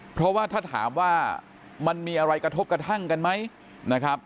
เพราะว่าถ้าถามว่ามันมีอะไรกระทบกระทั่งกันไหมนะครับ